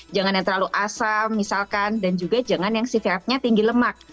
jangan yang terlalu asam misalkan dan juga jangan yang sifatnya tinggi lemak